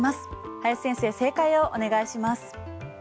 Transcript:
林先生、正解をお願いします。